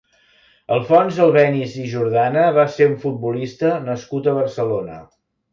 Alfons Albéniz i Jordana va ser un futbolista nascut a Barcelona.